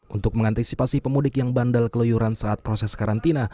untuk mengantisipasi pemudik yang bandal keluyuran saat proses karantina